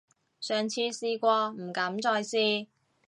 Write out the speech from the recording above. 上次試過，唔敢再試